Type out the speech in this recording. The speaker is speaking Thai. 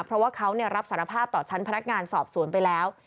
เพราะว่าเขารับสารภาพต่อชั้นพนักงานสอบสวนไปแล้ว